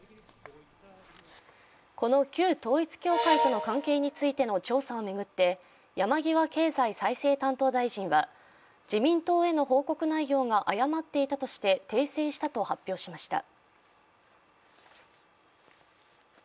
この旧統一教会との関係についての調査を巡って山際経済再生担当大臣は自民党への報告内容が誤っていたとして訂正したと発表しました。